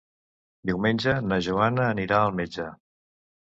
Diumenge na Joana anirà al metge.